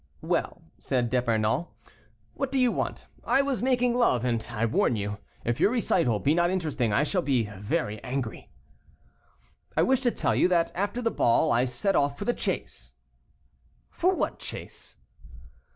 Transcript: "Well," said D'Epernon, "what do you want? I was making love, and I warn you, if your recital be not interesting I shall be very angry." "I wish to tell you that after the ball I set off for the chase." "For what chase?"